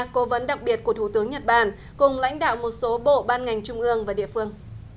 cố vấn đặc biệt của thủ tướng nhật bản cùng lãnh đạo một số bộ ban ngành trung ương và địa phương